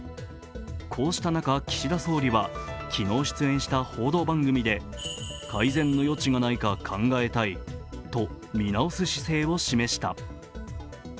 こうした中、岸田総理は昨日出演した報道番組で、改善の余地がないか考えたいと見直す姿勢を示した。